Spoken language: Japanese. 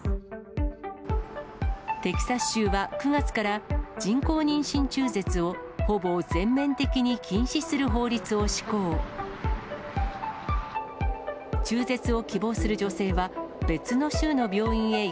テキサス州は９月から、人工妊娠中絶をほぼ全面的に禁止する法律を施行。